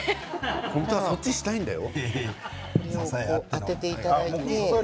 本当はそっちをしたいんだよ。